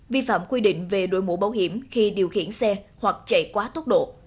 vi phạm quy định về đội mũ bảo hiểm khi điều khiển xe hoặc chạy quá tốc độ